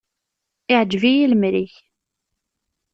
Iεǧeb-iyi lemri-k.